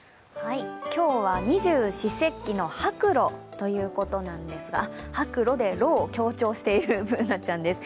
今日は二十四節気の白露ということなんですが、白露で「ろ」を強調しているＢｏｏｎａちゃんです。